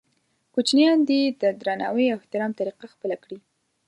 کوچنیان دې د درناوي او احترام طریقه خپله کړي.